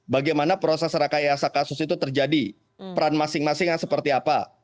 bagaimana proses rekayasa kasus itu terjadi peran masing masingnya seperti apa